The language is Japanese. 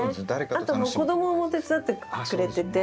あと子供も手伝ってくれてて。